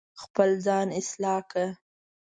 خپل ځان اصلاح کړه